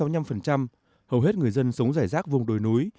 hầu hết người dân sống rải rác vùng đồi núi